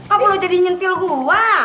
apa lo jadi nyentil gua